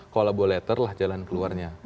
collaborator lah jalan keluarnya